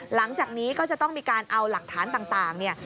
หลังจากนี้ก็จะต้องมีการเอาหลักฐานต่างเนี่ย